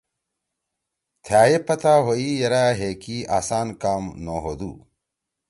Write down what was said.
تھأئے پتہ ہوئی یرأ ہے کی آسان کام نوہودُو۔